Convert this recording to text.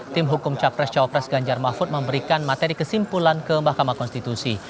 tim hukum capres cawapres ganjar mahfud memberikan materi kesimpulan ke mahkamah konstitusi